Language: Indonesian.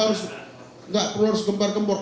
tidak perlu harus gempar gempur